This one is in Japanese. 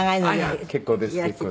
結構です結構です。